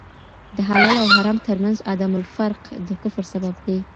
د حلال اوحرام تر منځ عدم الفرق د کفر سبب دی.